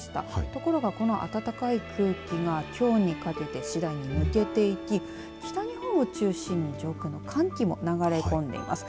ところがこの暖かい空気がきょうにかけて次第に抜けていき、北日本を中心に上空の寒気も流れ込んでいます。